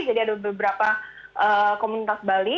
jadi ada beberapa komunitas bali